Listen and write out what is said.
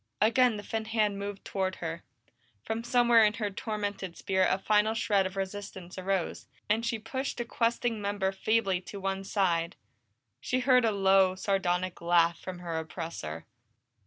Again the thin hand moved toward her; from somewhere in her tormented spirit a final shred of resistance arose, and she pushed the questing member feebly to one side. She heard a low, sardonic laugh from her oppressor.